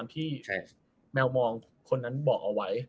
ที่แมวมองคนนั้นบอกเอาไว้